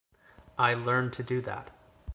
I learned to do that.